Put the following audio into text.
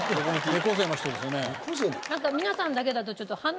猫背の人ですよね。